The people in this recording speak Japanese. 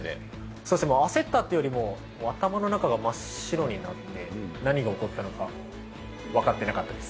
そうですね、焦ったというよりも、頭の中が真っ白になって、何が起こったのか分かってなかったです。